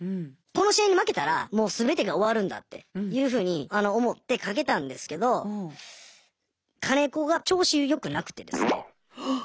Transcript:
この試合に負けたらもう全てが終わるんだっていうふうに思って賭けたんですけど金子が調子よくなくてですね。